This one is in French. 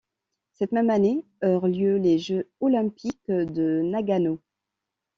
Cette même année eurent lieu les Jeux Olympiques de Nagano.